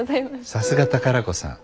さすが宝子さん。え？